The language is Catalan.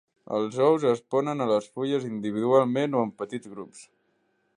Els ous es ponen a les fulles individualment o en petits grups.